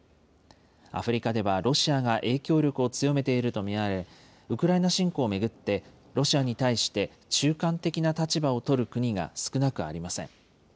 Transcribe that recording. アフリカではロシアが影響力を強めていると見られ、ウクライナ侵攻を巡ってロシアに対して中間的な立場を取る国が少なくありません。